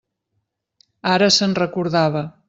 Ara se'n recordava.